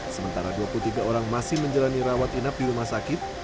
sementara dua puluh tiga orang masih menjalani rawat inap di rumah sakit